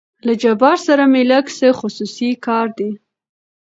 له جبار سره مې لېږ څه خصوصي کار دى.